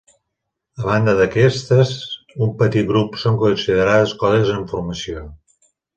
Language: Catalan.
A banda d'aquestes, un petit grup són considerades colles en formació.